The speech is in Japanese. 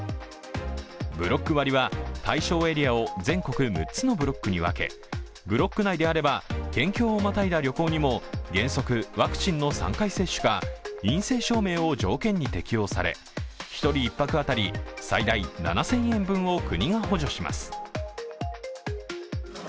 ブロック割は、対象エリアを全国６つのエリアに分けブロック内であれば県境をまたいだ旅行にも原則ワクチンの３回接種か陰性証明を条件に適用され１人１泊当たり最大７０００円分を国が補助します。